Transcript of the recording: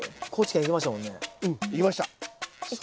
行きました！